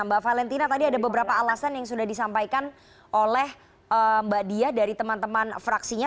mbak valentina tadi ada beberapa alasan yang sudah disampaikan oleh mbak diah dari teman teman fraksinya